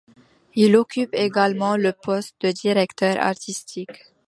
Il occupe également le poste de directeur artistique.